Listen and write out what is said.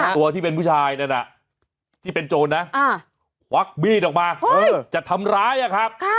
ตัวที่เป็นผู้ชายนั้นที่เป็นโจรนะควักมีดออกมาจะทำร้ายอะครับ